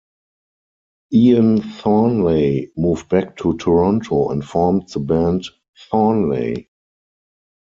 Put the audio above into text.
Ian Thornley moved back to Toronto and formed the band Thornley.